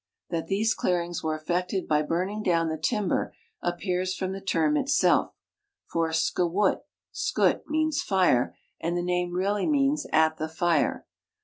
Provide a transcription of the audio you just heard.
That these clearings were effected bj' burning down the timber appears from the tei*m itself; for skWut, skut means fire, and the name really means " at the fire."